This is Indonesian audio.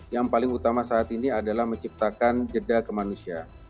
yang paling utama saat ini adalah menciptakan jeda kemanusiaan